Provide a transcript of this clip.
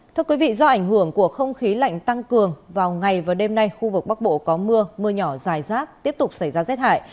thưa quý vị do ảnh hưởng của không khí lạnh tăng cường vào ngày và đêm nay khu vực bắc bộ có mưa mưa nhỏ dài rác tiếp tục xảy ra rét hại